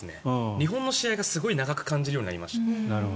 日本の試合がすごく長く感じるようになりました。